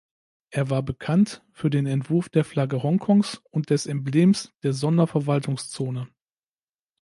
Er war bekannt für den Entwurf der Flagge Hongkongs und des Emblems der Sonderverwaltungszone.